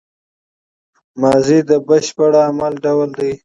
ماضي د بشپړ عمل ډول دئ.